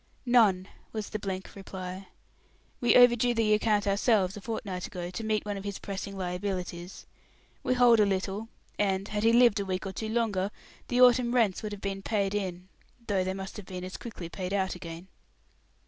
"None," was the blank reply. "We overdrew the account ourselves, a fortnight ago, to meet one of his pressing liabilities. We hold a little; and, had he lived a week or two longer, the autumn rents would have been paid in though they must have been as quickly paid out again."